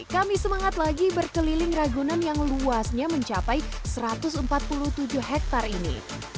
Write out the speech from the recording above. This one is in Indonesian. kami semangat lagi berkeliling ragunan yang luasnya mencapai satu ratus empat puluh tujuh hektare ini